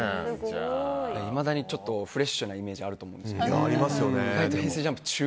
いまだにフレッシュなイメージがあると思うんですけど。